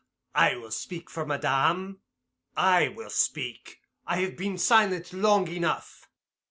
I will speak for madame. I will speak. I have been silent long enough.